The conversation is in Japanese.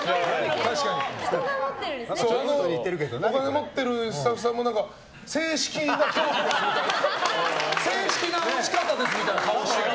お金を持っているスタッフさんも正式な競技です、みたいな。